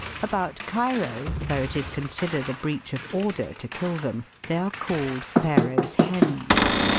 About Cairo, where it is considered a breach of order to kill them, they are called "Pharaoh's Hens."